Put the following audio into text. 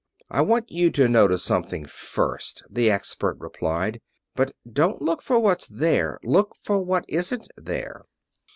"I want you to notice something first," the expert replied. "But don't look for what's there look for what isn't there."